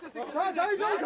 大丈夫か？